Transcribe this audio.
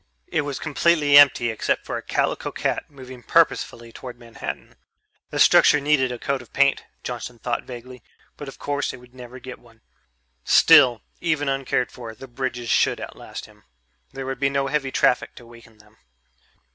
It was completely empty except for a calico cat moving purposefully toward Manhattan. The structure needed a coat of paint, Johnson thought vaguely, but of course it would never get one. Still, even uncared for, the bridges should outlast him there would be no heavy traffic to weaken them.